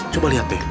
coba lihat deh